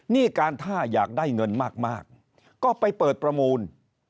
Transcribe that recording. นี่การถ้าอยากได้เงินมากก็ไปเปิดประมูล